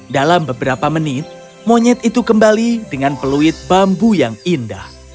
dalam beberapa menit monyet itu kembali dengan peluit bambu yang indah